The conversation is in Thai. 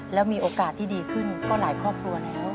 แล้วมีโอกาสที่ดีขึ้นก็หลายครอบครัวแล้ว